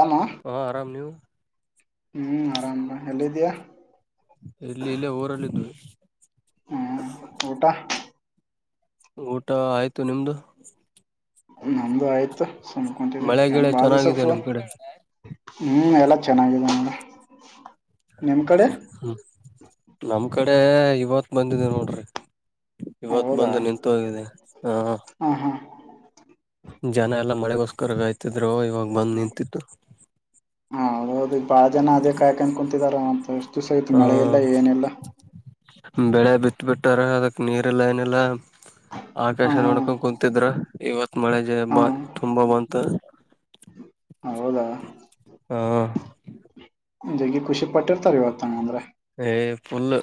ಆರಾಮ ಹಾ ಆರಾಮ್ ನೀವು ಹ್ಮ್ ಆರಾಮ ಎಲ್ಲಿದಿಯಾ ಇಲ್ಲಿ ಇಲ್ಲೇ ಊರಲ್ಲಿ ಹ್ಮ್ ಊಟ ಊಟ ಆಯ್ತು ನಿಮ್ದು ನಮ್ದು ಆಯ್ತು ಸುಮ್ನೆ ಕುಂತಿದೆ ಮಳೆ ನಾನು ಗಿಳೆ ಬಾಳ್ ದಿವಸ ಆಯ್ತು ಚೆನ್ನಾಗಿದೆ ನಿಮ್ ಫೋನ್ ಕಡೆ ಹ್ಮ್ಮ್ ಎಲ್ಲಾ ಚೆನ್ನಾಗಿದೆ ನೋಡಿ [unintelligible] ಹ್ಮ ನಮ್ ಕಡೆ ಇವತ್ ಬಂದಿದೆ ನೋಡ್ರಿ ಇವತ್ತು ಹೌದಾ ಬಂದು ನಿಂತು ಹೋಗಿದೆ ಹಾ ಹಾ ಹಾ [unintelligible] ಜನ ಎಲ್ಲಾ ಮಳೆಗೋಸ್ಕರ ಕಾಯ್ತಿದ್ರು ಇವಾಗ ಬಂದ್ ನಿಂತಿತ್ತು ಹ ಹೌದೌದು ಬಾಳ ಜನ ಅದೇ ಕಾಯ್ಕೊಂಡ್ ಕುತಿದಾರ ಅಂತ ಎಷ್ಟು ದಿವ್ಸ ಆಯತು ಹ ಮಳೆ ಇಲ್ಲ ಏನಿಲ್ಲ ಬೆಳೆ ಬಿತ್ ಬಿಟ್ಟಾರ ಅದಕ್ ನೀರ್ಲ್ಲ ಏನಿಲ್ಲಾ ಹಾ ಆಕಾಶ ನೋಡ್ಕೊಂಡ್ ಹಾ ಕುಂತಿದ್ರ ಇವತ್ ಮಳೆ ಹಾ ತುಂಬಾ ಬಂತು ಹೌದಾ ಹಾ ಜನ ಖುಷಿ ಪಟ್ಟಿರ್ತಾರೇ ಇವತ್ತ ಹಂಗಂದ್ರೆ ಹೇ ಫುಲ್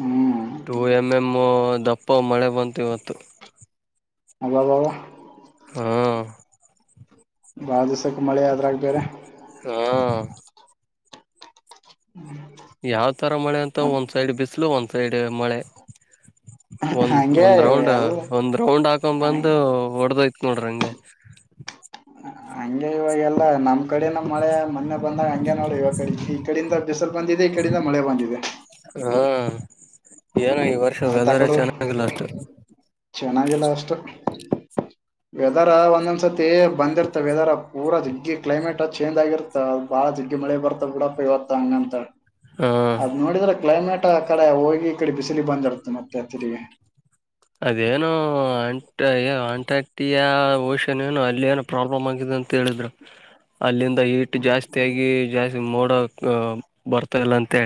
ಹ್ಮ್ ಟು ಎಮ್ ಎಮ್ ದಪ್ಪ ಮಳೆ ಬಂತು ಇವತ್ತು ಅವಾವ ಹಾ ಬಾಳ ದಿವ್ಸಕ್ಕೆ ಮಳೆ ಆದ್ರಾಗ ಬೇರೆ ಹಾ ಯಾವ್ ತರ ಮಳೆ ಅಂತ ಮತ್ ಒಂದ್ ಸೈಡ್ ಬಿಸ್ಲು ಒಂದ್ ಸೈಡ್ ಮಳೆ ಒಂದ್ ಹಂಗೆ ಒಂದ್ ಇವ್ ರೌಂಡ್ ಎಲ್ಲ ಒಂದ್ ರೌಂಡ್ ಹಾಕ್ ಹಂಗ್ ಬಂದು ಹೊಡದೈತಿ ನೋಡ್ರಿ ಹಂಗೆ ಹಂಗೆ ಇವಾಗೆಲ್ಲ ನಮ್ ಕಡೆನ ಮಳೆ ಮೊನ್ನೆ ಬಂದಾಗ ಹಂಗೆ ನೋಡ ಇವಾಗ ಕಡೆ ಈಕಡೆಯಿಂದ ಬಂದಿದೆ ಈಕಡೇಯಿಂದ ಮಳೆ ಬಂದಿದೆ ಹಾ ಏನೋ ಈ ವರ್ಷ ಆಯ್ತಾ ವೆದರ್ ಕಡು ಚೆನ್ನಾಗಿಲ್ಲ ಅಷ್ಟು ಚೆನ್ನಾಗಿಲ್ಲ ಅಷ್ಟು ವೆದರ್ ಒಂದೊಂದ್ಸ ಸತಿ ಬಂದಿರ್ತ ವೆದರ್ ಪೂರ ದಿಗ್ಗಿ ಕ್ಲೈಮೇಟ್ ಚೇಜ್ ಆಗಿರ್ತ ಬಾಳಡಿದ್ ಮಳೆ ಬರ್ತಾವ ಬಿಡಪ್ಪ ಇವತ್ತು ಹಂಗ ಅಂತ ಹಾ ಅದ್ ನೋಡಿದ್ರೆ ಕ್ಲೈಮೇಟ್ ಆಕಡೆ ಹೋಗಿ ಈಕಡೆ ಬಿಸಿಲಿಗ್ ಬಂದಿರುತ ಮತ್ತೆ ತಿರ್ಗಿ. ಅದೇನೋ ಅಂಟ್ ಅಂಟಕ್ಟಿಯಾ ಓಷನ್ ಏನು ಅಲ್ಲಿ ಏನೋ ಪ್ರಾಬ್ಲಮ್ ಆಗಿದೆಂತ್ ಅಂತೇಳಿದ್ರು. ಅಲ್ಲಿಂದ ಹೀಟು ಜಾಸ್ತಿಯಾಗಿ ಜಾಸ್ತಿ ಮೋಡ ಬರ್ತಾಯಿಲ್ಲ ಅಂತೆ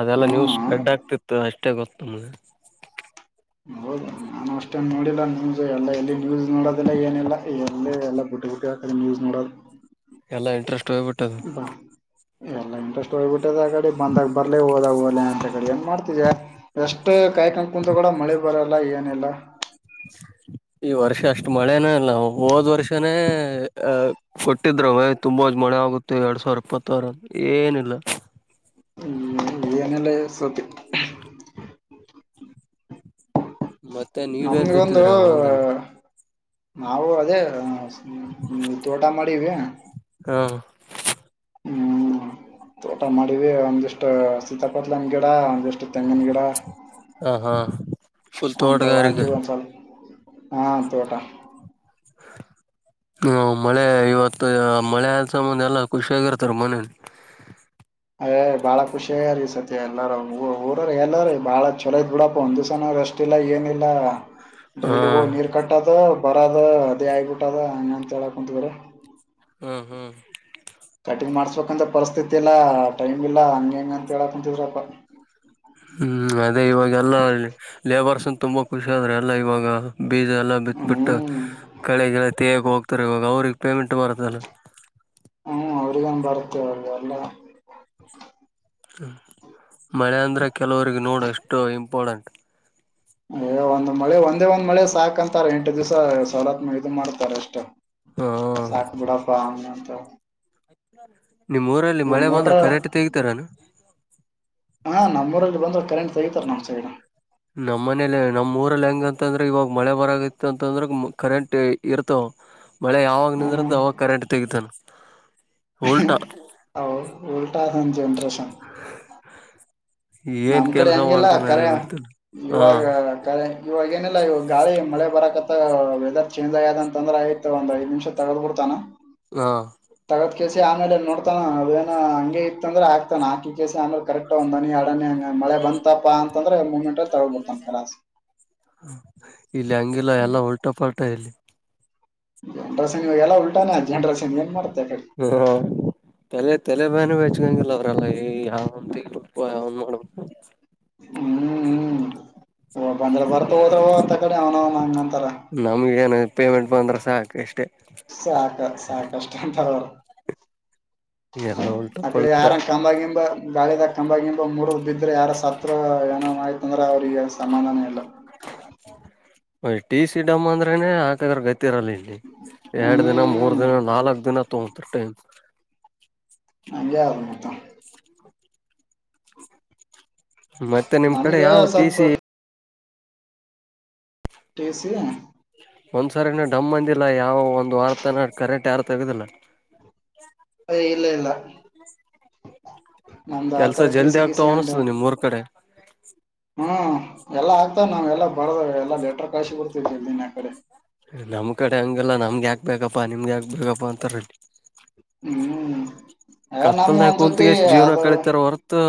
ಅದೆಲ್ಲಾ ನ್ಯೂಸ್ ಹ್ಮ್ ಸ್ಪ್ರೆಡ್ ಆಗ್ತಿತ್ತು ಅಷ್ಟೇ ಗೊತ್ತು ನಮ್ಗೆ ಹೌದು ನಾನು ಅಷ್ಟೇ ನೋಡಿಲ್ಲ ನ್ಯೂಸ್ ಎಲ್ಲ ಎಲ್ಲಿ ನ್ಯೂಸ್ ನೋಡೋದಿಲ್ಲ ಏನಿಲ್ಲ ಎಲ್ಲಿ ಎಲ್ಲ ಬಿಟ್ಟು ಬಿಟ್ಟೇಬಿಟ್ಟೆ ನ್ಯೂಸ್ ನೋಡೋದು ಎಲ್ಲ ಇಂಟ್ರೆಸ್ಟ್ ಹೋಗ್ಬಿಟ್ಟದು ಬಾ ಎಲ್ಲ ಇಂಟ್ರೆಸ್ಟ್ ಹೋಗ್ಬಿಟ್ಟದ ಆಗಡೆ ಬಂದಾಗ ಬರ್ಲಿೇ ಹೋದಾಗ ಹೋಗ್ಲಿ ಅಂತಿ ಏನ್ ಮಾಡ್ತಿದ ಎಷ್ಟು ಕಾಯಿಕೊಂಡು ಕುಂತ್ರು ಕೂಡ ಮಳೆ ಬರಲ್ಲ ಏನಿಲ್ಲ [inaudible] ಈ ವರ್ಷ ಅಷ್ಟು ಮಳೆನ ಇಲ್ಲ ಹೋದ್ ವರ್ಷನೇ ಅಹ ಕೊಟ್ಟಿದರು ಅವ ತುಂಬಾ ಹೊತ್ತು ಆಗುತ್ತೆ ಎರಡ್ ಸಾವಿರ ಇಪ್ಪತ್ತಾರ ಏನಿಲ್ಲ. ಹ್ಮ ಏನಿಲ್ಲ ಇಸತಿ. ಮತ್ತೆ ನೀವೇನ್ ನಮ್ಗೊಂದು ಬಿತ್ತಿದ್ರ ಹೊಲ್ದಾಲ್ಲಿ. ನಾವು ಅದೇ ಹಾ ಹ್ಮ ಹ್ಮ ತೋಟಾ ಮಾಡೀವಿ ಹಾ ಹ್ಮ್ ತೋಟ ಮಾಡಿವವಿ ಒಂದಿಷ್ಟು ಸೀತಾಪತ್ಲನ್ ಗಿಡ ಒಂದಿಷ್ಟು ತೆಂಗಿನ ಗಿಡ. ಹ ಹಾ ಫುಲ್ ಅಂತ ತೋಟಗಾರಿಕೆ. ಹಾಕಿವಿ ಒಂದ್ ಸ್ವಲ್ಪ ಹಾ ತೋಟ. ಹ್ಮ ಮಳೆ ಇವತ್ತು ಮಳೆಸಬಂದ ಎಲ್ಲ ಖುಷಿಯಾಗಿರ್ತಾರೆ ಮನೆಲ್ಲಿ. [unintelligible] ಮತ್ತೆ ಎಲ್ಲಾರ ಊರರು ಎಲ್ಲರು ಬಾಳ ಚಲೋ ಆಯ್ತ್ ಬಿಡಪ್ಪ ಒಂದಿಸಾ ನಾರು ಅಷ್ಟ ಇಲ್ಲ ಏನಿಲ್ಲ. ಹಾ ಡೈಲಿ ಹೋಗ್ ನೀರ್ ಕಟ್ಟದು ಬರದ ಅದೇ ಆಗ್ಬಿಟ್ಟದ ಹಂಗಂತ ಹೇಳಕುಂತಿದ್ರಿ. ಹ್ಮ್ ಹ್ಮ್. ಕಟಿಂಗ್ ಮಾಡ್ಸ್ಬೇಕಂತ ಪರಿಸ್ಥಿತಿ ಇಲ್ಲ ಟೈಮ್ ಇಲ್ಲಾ ಹಂಗ ಹಿಂಗ ಅಂತ ಹೇಳಕ್ ಕುಂತಿದ್ರಪ. ಹ್ಮ್ ಅದೇ ಇವಾಗೆಲ್ಲ ಲೇಬರ್ಸು ತುಂಬಾ ಖುಷಿ ಆದ್ರೆ ಎಲ್ಲಾ ಇವಾಗ. ಬೀಜ ಎಲ್ಲ ಬಿತ್ ಬಿಟ್ಟು ಹ್ಮ್ ಕಳೆ ಗಿಳೆ ತಗಿಯಕ್ ಹೋಗ್ತಾರ್ ಇವಾಗ ಅವ್ರಿಗ್ ಪೇಮೆಂಟ್ ಬರ್ತದಲ್ಲ. ಏನ್ ಬರುತೋ ಅ ಎಲ್ಲ ಹ್ಮ ಮಳೆ ಅಂದ್ರೆ ಕೆಲವರಿಗ್ ನೋಡು ಎಷ್ಟು ಇಂಪಾರ್ಟೆಂಟ್. ಹೇ ಒಂದ್ ಮಳೆ ಒಂದೇ ಒಂದ್ ಮಳೆ ಸಾಕಂತಾರೆ ಎಂಟು ದಿವ್ಸ ಸಡತ್ ಇದು ಮಾಡ್ತಾರ ಅಷ್ಟೇ. ಹಾ ಸಾಕ್ ಬಿಡಪಾ ಅವಂದಂತೂ. ನಿಮ್ಮ್ ಊರಲ್ಲಿ ಮಳೆ ಬಂದ್ರ ಕರೆಂಟ್ ತಗಿತಾರೇನು. ಹಾ ನಮ್ಮೂರಲ್ಲಿ ಬಂದ್ರ ಕರೆಂಟ್ ತಗಿತಾರ್ ನಮ್ ಇತಂದ್ರೆ ಇವಾಗ ಮಳೆ ಬರಂಗಿತ್ತು ಅಂತಂದ್ರು ಕರೆಂಟ್ ಇರ್ತವ್. ಮಳೆ ಯಾವಾಗ ಹ್ಮ್ ನಿಂದೃಥ್ ಅವಾಗ ಕರೆಂಟ್ ತಗಿತಾನ್ ಉಲ್ಟಾ. ಹೌ ಉಲ್ಟಾ ನಮ್ ಜನರೇಶನ್. ಏನ್ ನಮ್ ಕಡೆ ಕೆಲ್ಸ ಹೆಂಗಿಲ್ಲ ಮಾಡ್ತಾನ ಅದೇ ಕರೆ ಗೊತ್ತಿಲ್ಲ ಹಾ ಇವಾಗ ಕರೆ ಇವಾಗೇಏನಿಲ್ಲ ಇವಾಗ್ ಗಾಳಿ ಮಳೆ ಬರಕತ್ತ ವೆದರ್ ಚೇಂಜ್ ಆಯ್ಯದ ಅಂದ್ರೆ ಆಯ್ತ್ ಒಂದ್ ಐದ್ ನಿಮಿಷ ತಗುದ್ ಬಿಡ್ತಾನ. ಹಾ. ಇ ಕೆಸಿ ಆಮೇಲೆ ನೋಡ್ತಾನ ಅದೇನ ಹಂಗೆ ಇತ್ತಂದ್ರೆ ಆಗ್ತಾನೆ ಆಕ ಕ ಕೆಸಿ ಆಮೇಲೆ ಕರೆಕ್ಟ್ ಒಂದ್ ಹನಿ ಹಂಗ ಮಳೆ ಬಂತಪಾ ಅಂತಂದ್ರೆ ಮೂಮೆಂಟ್ ತೊಗ್ಬಿಡ್ತನ್ ಕಲಾಸ್. ಇಲ್ಲಿ ಹಂಗಿಲ್ಲ ಎಲ್ಲಾ ಉಲ್ಟಾ ಪಾಲ್ಟ ಇಲ್ಲಿ. ಜಂಡರ ಸನಿ ಎಲ್ಲ ಉಲ್ಟಾನೆ ಅಜ್ ಜನರ ಸನಿ ಏನ್ ಮಾಡ್ತಾ ಹಾ. ತಲೆ ತಲೆ ಬಾನ ಬೆಚ್ಕಂಗಿಲ್ಲ ಅವ್ರಲ್ಲಾ ಯಾವ ನೋಡ್ಬೇಕು. ಹ್ಮ್ ಹ್ಮ್. ಓ ಬಂದ್ರ ಬರ್ತ ಹೋದ್ರ ಆತ್ತ ಕಡೆ ಅವನ ಅವನ ಹಂಗಂತಾರ ನಮ್ಗ ಏನ್ ಪೇಮೆಂಟ್ ಬಂದ್ರೆ ಸಾಕು ಇಷ್ಟೇ. ಸಾಕ ಸಾಕಷ್ಟ [unintelligible] ಹ್ಮ. ಅ ಕಡೆ ಯಾರ ಕಂಬಾಗಿಂಬ ಗಾಳಿಿದಾಗ ಕಂಬಾಗಿಂಬ ಮೂರ ಬಿದ್ರೆ ಯಾರ ಸತ್ ಏನೋ್ ಅಂದ್ರ ಅವರಿಗೆ ಸಮಂದನೇ ಇಲ್ಲ. ಟಿ ಸಿಡಂ ಅಂದ್ರೇನೆ ಹಾಕದ್ರ ಗತ್ತ ಇತ್ತರಲಿ ಇಲ್ಲಿ ಎರಡ್ ದಿನ ಮೂರ್ ಹ್ಮ್ ದಿನ ನಾಲ್ಕ್ ದಿನ ತಗೋಂತಾರ್ ಟೈಮ್. [unintelligible] ಮತ್ತೆ ನಿಮ್ ಕಡೆ ನಮ್ಗ ಯಾವ ಸ್ವಲ್ಪ ಟಿಸಿ. ಟಿಸಿ. ಒಂದ್ಸರಿನು ಡಮ್ ಅಂದಿಲ್ಲ ಯಾವ ಒಂದ್ ವಾರತಾನ ಕರೆಂಟ್ ಯಾರು ತಗುದಿಲ್ಲ. ಇಲ್ಲ ಇಲ್ಲ ನಮ್ದು ಕೆಲ್ಸ ಆತರ ಟಿ ಜಲ್ದಿ ಸಿ ಗೀಸಿ ಆಗ್ತಾವ ಅಂಡ್ ಅನ್ತದೆ ನಿಮ್ ಮೂರ್ ಕಡೆ ಹ್ಮ್ ಎಲ್ಲಾ ಆಗ್ತ ನಾವ್ ಎಲ್ಲ ಬರ್ದ ಎಲ್ಲಾ ಲೆಟರ್ ಕಾಯಸಿ ಕೊಡ್ತಿದವಿ ಇಲ್ ದಿನ ಕಡೆ ನಮ್ ಬೇಗಪ್ಪ ಅಂತಾರಿ ಹ್ಮ್ ನಮ್ಮ ಒಂದ್ಸತಿ ಕುಂತ್ಗೆ ಜೀವನ ಅದು ಕಳಿತಾರ ಹೊರತು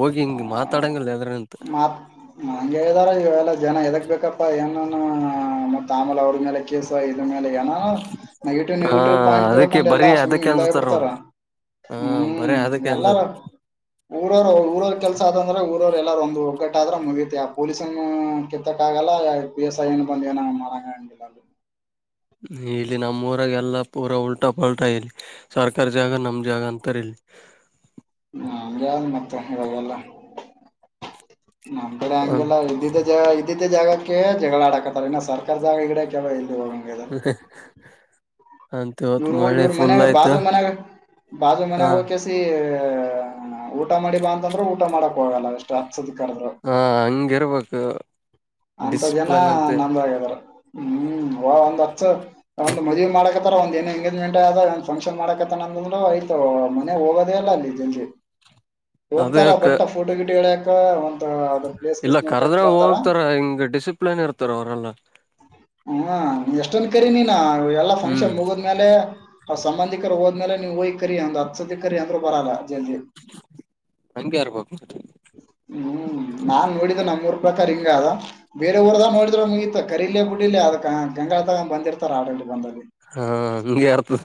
ಹೋಗಿ ಹಿಂಗ್ ಹ ಮಾತಾಡಂಗಿಲ್ಲ ಎದ್ರ ನಿಂತ ಮತ್ ಹಂಗೆ ಹೇಳ್ದಾರ ಇಲ್ಲ ಜನ ಎದಕ್ ಬೇಕಪ್ಪಾ ಏನು ಮತ್ ತಾಮಲ್ ಅವ್ರ ಮೇಲೆ ಕೇಸ ಇದ್ರ ಮೇಲೆ ಏನಾನ ನೆಗೆಟಿವ್ ಹಾ ನೆಗೆಟಿವ್ ಪಾಯಿಂಟ್ ಅದಕ್ಕೆ ತಿಳ್ಕೊಂಡು ಎಲ್ಲಾ ಬರೀ ಸ್ಮ್ಮಿ ಅದಕ್ಕೆ ಹಿಂದಾಗಿ ಅನ್ಸತಾರ ನೋಡ ಬಿಡ್ತಾರ ಹ ಬರೇ ಹ್ಮ್ ಅದಕ್ಕೆ ಅಂಜದ ಎಲ್ಲಾರ ಊರವರ ಊರ ಎಲ್ಲಾರು ಒಂದು ಒಗ್ಗಟ್ಟ ಆದ್ರೆ ಮುಗುತ್ತ ಪೊಲೀಸ ಕೆಿತ್ತಕ್ಕಾಗಲ್ಲ ಬಿ ಎಸ್ ಐ ಬಂದ ನ ಮಾಡಂಗ [inaudible] ಇಲ್ಲಿ ನಮ್ಮಊಾಗ ಎಲ್ಲಾ ಪೂರ ಉಲ್ಟಾ ಪಲ್ಟಾ ಇಲ್ಲಿ ಸರ್ಕಾರ ಜಾಗ ನಮ್ ಜಾಗ ತ್ತರ ಹ ಯ್ದ್ ಮತ್ತೆ ಇವಾಗೆಲ್ಲ ನಮ್ ಕಡೆ ಹಂಗೆಲ್ಲ ಇದಿದ್ದ ಇದಿದ್ದ ಜಾಗಕ್ಕೆ ಜಗಳ ಆಡಾಕತ್ತಾರ ಇನ್ನ ಸರ್ಕಾರಾರಿ ಜಾಗ ಈಗಡ ಕೆ ಇಲ್ಲ ಹ್ಮ ಇವ ಇವ್ರ ಮನೆಾಗ ಬಾಜೂ ಮನೆಾಗ ಬಾಜೂ ಹ ಮನೆ ಕೆಸಿ ಊಟ ಮಾಡಿ ಬಾ ಅಂತಂದ್ರೆ ಊಟ ಮಾಡಕ್ ಹೋಗಲ್ಲ ಇಷ್ಟ ಸದಾರರು ಹ ಹಂಗಿರ್ಬೇಕು ಅಂತ ಜನ ಡಿಸಿಪ್ಲನ್ ಅಂತೆ ನಂದಾಗದಾರ ಹ್ಮ್ ವ ಒಂದ್ ಹಚ್ಚ ಒಂದ್ ಮದವಿೆ ಮಾಡಕ ರ ಒಂದ್ ಏನ್ ಎಂಗೇಜ್ಮೆಂಟ್ ಆದ ಫಂಕ್ಷನ್ ಮಾಡಕತ್ತಾನ ಅಂದ್ರೆ ಆಯ್ತ ಮನೆ ಹೋಗದೇಲ್ಲ ಅಲ್ಲಿ ಜಜಿ ಅದೇ ಹೋಗ್ತಾರ ಬಟ್ಟ ಫೋಟೋ ಗಿಡ್ ಹೇಳ್ಯಕ ಒ ಇಲ್ಲ ಕರ್ದ್ರ ಹೋಗ್ತಾರ ಹಿಂಗ್ ಡಿಸಿಪ್ಲಿನ್ ಇರ್ತಾರ ಅವರೆಲ್ಲ ಹ್ಮ ಎಷ್ಟೊನ್ ಕರಿ ನೀನ್ ಎಲ್ಲಾ ಹ್ಮ್ ಫಂಕ್ಷನ್ ಮುಗದ್್ಮೇಲೆ ಅವ್ರ ಸಂಬಂಧಿಕರು ಹದ ಆ್ಮೇಲೆ ನೀವು ಹೋಗಯ ಕರಿ ಒಂದ್ ಹತ್ ಸದ ಕರಿ ಅಂದ್ರು ಬರಲ್ಲ ಜಲ್ದಿ ಹಂಗೆ ಇರ್ಬೇಕು ಹ್ಮ್ ನಾನ್ ನೋಡಿದ್ದ ನಮ್ಮೂರು ಪ್ರಕಾರ ಹಿಂಗ ಅದ ಬೇರೆ ಊರದಾಗ ನೋಡಿದ್ರ ಮುಗಿ ಕರಿೀಲೇ ಬಿಡಿಿಲ್ಲ ಅದ ಗಂಗಾಳ ತಗ ಬಂದಿರ್ತಾರ ಆಡಲ್ಲಿ ಬಂದ ಹಾ ನಿಮಗೆ ಆರ್ತದೆ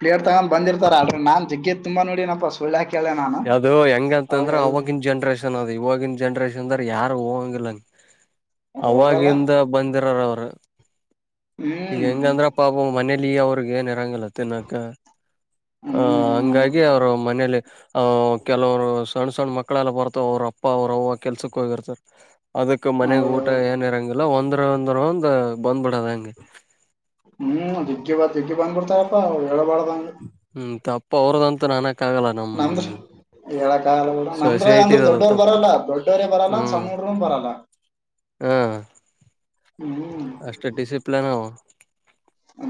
ಪ್ಲರ್ ತಗ್ ಬಂದಿರ್ತಲ್ ನನ್ ಜಗ್ಗಿದ್ದ ತುಂಬ ನೋಡಿನಪ ಸಳ್ಳಾಕಿ ಅದು ಹೆಂಗಂತಂದ್ರ ಅವವಾಗಿನ್ ಜನ್ರೇಷನ್ ಅದ್ ಇವಾಗಿನ್ ಜನ್ರೇಷನ್ ಅಂದ್ರ ಯಾರು ಹೋಗಂಗಿಲ್ಲಂಗಗೆ ಹೋಗಲ್ಲ ಅವಾಗಿಂದ ಬಂದಿರಾರ ಅವರು ಈಗ ಹ್ಮ್ ಹೆಂಗಂದ್ರ ಪಾಪ ಮನೇಲಿ ಅವ್ರಗ್ ಏನ್ ಇರಂಗಲ್ಲ ತಿನ್ನಾಕ ಹ ಹ್ಮ್ ಹಂಗಾಗಿ ಅವರು ಮನೇಲಿ ಆ್ ಕೆಲವರು ಸಣ್ಣ ಸಣ್ಣ ಮಕ್ಕಳ ಮಕ್ಕಳೆಲ್ಲ ಬರ್ತಾವ ಅವ್ರ ಅಪ್ಪ ಅವ್ರ ಅವ್ವ ಕೆಲ್ಸಕ್ಕ ಹೋಗಿರ್ತರ್ ಅದಕ್ ಮನೆಗ್ ಊಟ ಹೌದೌದು ಏನ್ ಇರಂಗಿಲ್ಲ ಒಂದ್ರ ಒಂದ್ರ ಒಂದ ಬಂದ್ ಬಿಿಡದ ಹಂಗಗೆ ಹ್ಮ್ ದಿಗ್ಗಿ ಬ ದಿಗ್ ಬಂದ್ ಬಿಡ್ತಾರಪ್ಪಾ ಹೇಳಬಾ ಹ್ಮ ತಪ್ಪ ಅವ್ರದಂತೂ ನಾನಕ್ ಆಗಲ್ಲ ನಮ ಎಳ ಕಾಲ ನಂದ್ರ ಅಂದ್ರ ದೊಡ್ಡವರು ತಪ್ಪು ಬರಲ್ಲ ದೊಡ್ಡವರೇ ಬರಲ್ಲ ಅಂದ ಹ್ಮ್ ಸಣ್ಣರುೂ ಬರಲ್ಲ ಹಾ ಹ್ಮ್ ಅಷ್ಟೇ ಡಿಸಿಪ್ಲನ್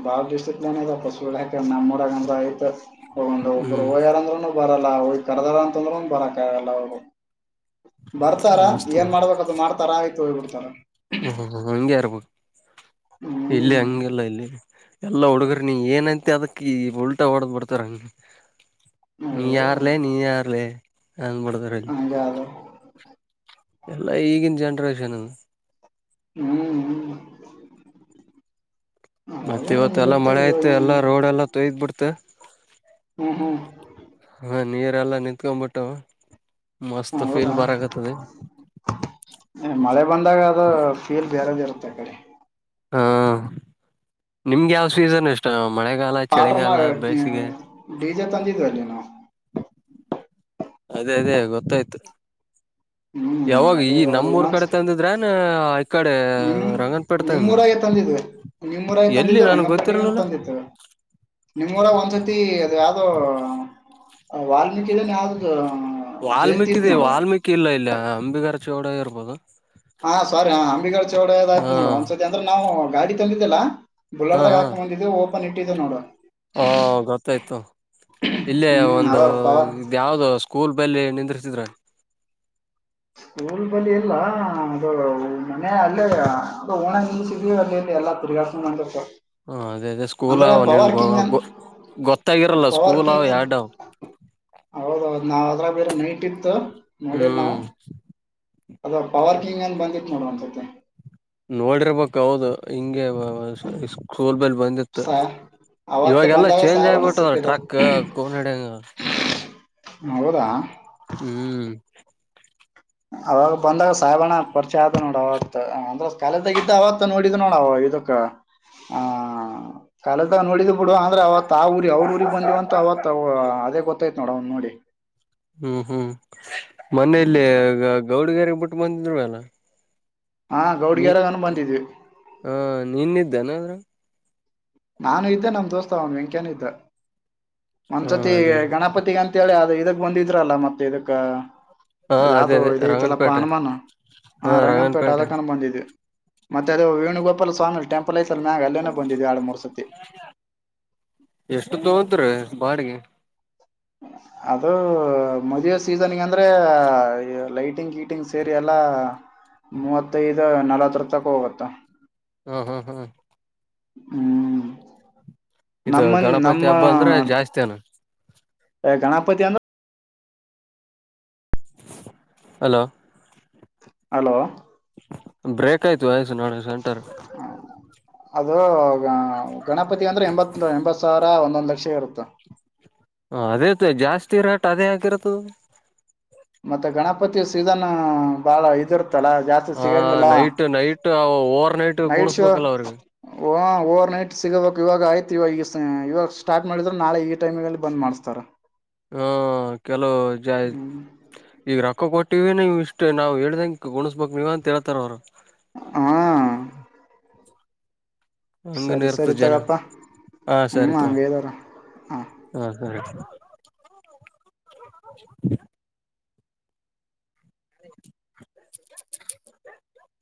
ಬಾಡಿಸ್ಟಿಕ್ ನ ಐ ಪಸುಕ ನಮ್ಮೂರಂತ ಆಐತ ಹೊಂಡ್ ಒಬ್ಬರು ಹ್ಮ್ ಓಯ್ಯಾರಂದ್ರರುೂನು ಬರಲ್ಲ ಹಿ ಕರ್ದಾರ ಅಂತ ಅಂದ್ರೂನು ಬರಕಲ್ಲ ಬರ್ತಾರ ಮಸ್ತ್ ಏನ್ ಮಾಡ್ಬೇಕದು ಮಾಡ್ತಾರ ಆಯ್ತು ಹೋಗಿಬಿಡ್ತಾರ ಹ ಹಂಗೆ ಇರ್ಬೇಕ ಇಲ್ಲಿ ಹ್ಮ್ ಹಂಗೆಲ್ಲ ಇಲ್ಲಿ ಎಲ್ಲ ಹುಡುಗರ ನೀ ಏನೈತಿ ಅದಕ್ಕ ಈ ಉಲ್ಟಾ ಹೊಡದ್ ಬಿಡ್ತಾರ ನೀ ಅಯ್ಯೋ ಯಾರ್ಲ್ಲ ನೀ ಯಾರ್ಲ್ಲ ಹಬಳದರಲ್ಲಿ ಹಂಗೆ ಅದು ಎಲ್ಲಾ ಈಗಿನ ಜನ್ರೇಷನ್ ಹ್ಮ್ ಹ್ಮ ಮತ್ತತ್ ಇವತ್ತ ಎಲ್ಲಾ ಮಳೆ ಐತೆ ಎಲ್ಲಾ ರೋಡ್ ಎಲ್ಲಾ ತೊಯ್ದ್ ಬಿಡ್ತೆ ಹಾ ಹಾ ನೀರೆ ಎಲ್ಲ ನಿತ್ಕೊಬಿಟ್ಟು ಮಸ್ತ್ ಫೀಲ್ ಹೌದಾ ಬರಕತದ ಮಳೆ ಬಂದಾಗ ಅದು ಫೀಲ್ ಬೇರೆದ ಇರುತ್ತೆ ಅ ಕಡೆ ಹಾ ನಿಮ್ಗೆ ಯಾವ ಸ್ವೀಸನ್ ಇಷ್ಟ ಮಳೆಗಾಲ ಆರ್ಡರ್ ಚಳಿಗಾಲ ಮಾಡಿ ಬೇಸಿಗೆ ಡಿ ಜೆ ತಂದಿದ್ವಿ ಅಲ್ಲಿ ನಾವು ಅದೇ ಅದೇ ಗೊತ್ತಾಯ್ತು ಹ್ಮ್ ಯಾವಾಗ ಅದೇ ಈ ಅದೇ ನಮ್ಮೂರ್ ಏನನ್ ಕಡೆ ತಂದಿದ್ರನ್ ಈ ಕಡೆ ನಿಮ ರಂಗನ್ಪೇಟೆ ನಿಮ್ಮ್ ತಂದ್ರ ಊರಾಗ ತಂದ ನಿಮ್ಮೂರಾಯ ಎಲ್ಲಿ ತಂದಿದ್ದು ನನ್ಗ್ ರಂಗಂಪಟ್ಟಿ ಗೊತ್ತಿರ್ಲಿಲ್ಲ ತಂದಿತ್ತು ನಿಮಮ್ಮ್ರ ಒಂದ್ಸತಿ ಅದು ಯಾವ್ದೋ ವಾಲ್ಮೀಕಿನ್ ಯಾವ್ದ ಜಯಂತಿ ವಾಲ್ಮೀಕಿ ಇತ್ ದ ನೋಡು ವಾಲ್ಮೀಕಿ ಇಲ್ಲ ಇಲ್ಲ ಅಂಬಿಗರ ಚೌಡ ಇರ್ಬೋದು ಹಾ ಸಾರಿ ಹ ಅಂಬಿಗಳ ಚಳದ ಹಾ ನೋಡ ಒಂದ್ಸತಿ ಅಂದ್ರೆ ನಾವು ಗಾಡಿ ತಂದಿದ್ದಿಲ್ಲಾ ಹಾ ಬುಲಡದಾಗ ಹಾಕ ಮುಂದಿದ್ದು ಓಪನ್ ಇಟ್ಟಿದ್ದ ನೋಡು ಹಾ ಗೊತ್ತಾಯ್ತು ಇಲ್ಲೇ ಹ್ಮ್ ಒಂದು ಅವ ಪವರ್ ಇದ ಯಾವ್ದ ಸ್ಕೂಲ್ ಬೆಲೆ ನಿಂದಿಸಿದ್ರ ಸ್ಕೂಲ್ ಬಳ ಎಲ್ಲ ಅದು ಮನೆ ಅಲ್ಲೇ ಅ ಓಣ ನೀ ಸಿಗ ಅ [unintelligible] ಹ ಅದೇ ಅದೇ ಸ್ಕೂಲ್ ಆ ನೀನು ಅನ್ ಹಗ್ಗು ಗೊತ್ತಾಗಿರಲ್ಲ ಪವರ್ ಸ್ಕೂಲ್ ಅವ್ ಕಿಂಗ್ ಅಂತ ಎರಡಾವ ಹೌದೌದು ನಾವ್ ಅದ್ರಾಗ ಬೇರೆ ನೈಟ್ ಇತ್ತು ಹ್ಮ್ ಅದವಾ ಪವರ್ ಕಿಂಗ್ ಏನ್ ಬಂದಿಟ್ ನೋಡುವಸ್ದ ಒಂದ್ ಸತಿ ನೋಡಿರ್ಬೇಕ ಹೌದು ಹಿಂಗೆ ಸ್ಕೂಲ್ ಬೆಲ್ ಬಂದಿತ್ತು ಸಾ ಅವತ್ತು ಇವಾಗೆಲ್ಲಾ ಬಂದಾಗ ಚೇಂಜ್ ಸಾಹೇಬಣ್ಣ ಆಗಬಿಟ್ಟದಲ್ಲ ಸಿಕ್ಕಿದ ಟ್ರಕ್ ಕೋನಡಂಗ ಹ ಹೌದಾ ಹ್ಮ್ ಅವಾಗ ಬಂದಾಗ ಸಾಯಬಣ್ಣ ಪರಿಚೆ ಆದ ನೋಡ ಅವತ್ ಅಂದ್ರ ಕಾಲದಾಗಿದ್ದ ಅವತ್ ನೋಡಿದ್ ನೋಡ ಅವಾಗ ಇದುಕ್ಕ ಆ ಕಾಲ ನೋಡಿದ ಬಿಡು ಅಂದ್ರೆ ಅವತ್ ಆ ಊರಿ ಅವ್ರ ಊರಿಗೆಗ್ ಬಂದಿವವಂತ ಅವತ್ ಅದೇ ಗೊತ್ತಾಯ್ತ್ ನೋಡ ಅವ್ ನೋಡಿ ಹ್ಮ್ ಹ್ಮ್ ಮನೇಯಲ್ಲಿ ಗೌಡಗರೆಗ್ ಬಿಟ್ಟು ಬಂದಿದ್ವ ಅಲ್ಲ ಹಾ ನೀ ಗೌಡ್ಗೆರಗನು ಬಂದಿದ್ವಿ ಹ ನಿನ್ನಿದ್ದೇನ್ರೂ ನಾನು ಇದ್ದೆ ನಮ ದೋಸ್ತ ಅವನ್ ವೆಂಕ್ಯನ ಇದ್ದ ಹ ಒಂದ್ಸತಿ ಅದೇ ಗಣಪತಿಗ ಅಂತೇಳಿ ಅದ ಇದಕ್ ಬಂದಿದ್ರಲ್ಲ ಮತ್ತೆ ಇದಕ್ಕ ಹಾ ಅದ ಅದೇ ಯಾವ್ದೋ ಅದೇ ಇದ ಐತಲ್ಲಪ್ಪ ರಂಗನ್ಪೇಟೆ ಹನುಮಾನ ಹಾ ಹ ರಂಗಂಪೇಟೆ ರಂಗನ್ಪೇಟೆ ಅದಕಾನ ಬಂದಿದೆ ಮತ್ತೆ ಅದು ವೇಣುಗೋಪಾಲ ಸ್ವಾಮಿ ಟೆಂಪಲ್ ಐ ಎಷ್ಟ ತೋದ್ರ ಬಾಡಿಗೆ ಅದು ಮದುವ ಸೀಸನ್ಗೆ ಅಂದ್ರೆ ಲೈಟಿಂಗ್ ಕೀಟಿಂಗ್ ಸೇರಿ ಎಲ್ಲ ಮೂವತ್ತೈದು ನಲ್ವತ್ತರ ತಕ ಹೋಗುತ್ತ ಹಾ ಹಾ ಹಾ ಹ್ಮ್ ಇದು ನಮ್ಮನ್ ಗಣಪತಿ ನಮ್ಮ ಹಬ್ಬ ಅಂದ್ರೆ ಜಾಸ್ತಿ ಅನ ಗಣಪತಿಯಂದ ಹಲೋ ಹಲೋ ಬ್ರೇಕ್ ಆಯ್ತು ವಯಸು ನಾಳಂಟರ್ ಅದು ಗಣಪತಿ ಅಂದ್ರೆ ಎಂಬತ್ ಎಂಬತ್ ಸಾವಿರ ಒಂದೊಂದ್ ಲಕ್ಷ ಇರು [inaudible] ಹ ಅದೇ ಜಾಸ್ತಿ ರೇಟ್ ಅದೇ ಆಗಿರತ ಮತ್ತೆ ಗಣಪತಿಯ ಸೀಸನ್ ಬಾಳ ಇದಿರ್ತ ಜಾಸ್ತಿ ಹ ಸಿಗೋಂಗಿಲ್ಲ night night over night show ಕುಣಸ್ಬೇಕಲ್ಲ ಅವ್ರಿಗೆ ಓವರ್ ನೈಟ್ ಸಿಗಬೇಕಕ್ ಇವಾಗ ಆಯ್ತು ಇವಾಗ ಇವಾಗ ಸ್ಟಾರ್ಟ್ ಮಾಡಿದ್ರೆ ನಾಳೆ ಈ ಟೈಮ್ಲ್ಲಿ ಬಂದ್ ಮಾಡ್ಸ್ತಾರ ಹಾ ಕೆಲವು ಜ ಹ್ಮ್ ಈಗ ರೊಕ್ಕ ಕೊಟ್ಟ ಟಿವಿ ನೀವು ಇಷ್ಟೇ ನಾವ್ ಹೇಳ್ದಂ ಗಣ್ಬೇಕಕ್ ನೀವ್ ಅಂತ ಹೇಳ್ತಾರ ಅವ್ರು ಹಾ ಹಂಗನ್ ಸರಿ ಇರ್ತದ ಸರಿ ಜನ ತಗಪ್ಪಾ ಹಾ ಸರಿ ಹ್ಮ್ ತೋ ಹಂಗದಾರ ಹ ಹಾ ಹಾ [inaudible]